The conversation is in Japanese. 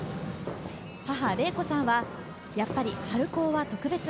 母・令子さんはやっぱり春高は特別。